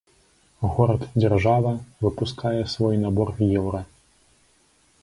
Горад-дзяржава выпускае свой набор еўра.